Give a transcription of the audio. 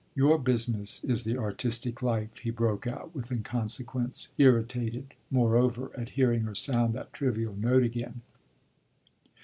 Your business is the artistic life!" he broke out with inconsequence, irritated, moreover, at hearing her sound that trivial note again.